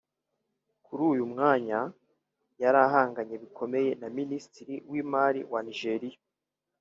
kuri uyu mwanya yari ahanganye bikomeye na Minisitiri w’Imari wa Nigeria